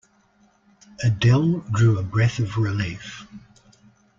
Adele drew a breath of relief.